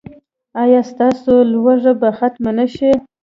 ایا ستاسو لوږه به ختمه نه شي؟